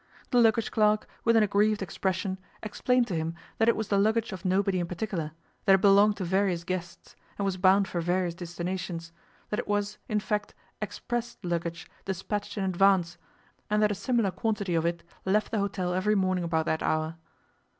The luggage clerk, with an aggrieved expression, explained to him that it was the luggage of nobody in particular, that it belonged to various guests, and was bound for various destinations; that it was, in fact, 'expressed' luggage despatched in advance, and that a similar quantity of it left the hotel every morning about that hour.